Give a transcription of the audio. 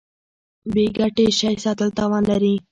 بې ګټې شی ساتل تاوان دی.